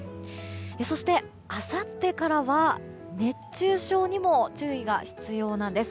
そして、あさってからは熱中症にも注意が必要なんです。